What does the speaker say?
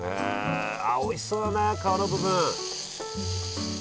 あおいしそうだな皮の部分！